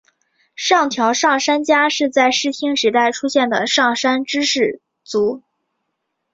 上条上杉家是在室町时代出现的上杉氏支族。